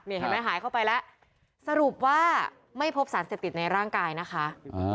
เห็นไหมหายเข้าไปแล้วสรุปว่าไม่พบสารเสพติดในร่างกายนะคะ